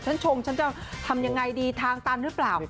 ชงฉันจะทำยังไงดีทางตันหรือเปล่า